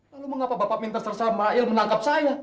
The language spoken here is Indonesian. lalu mengapa bapak minterser samael menangkap saya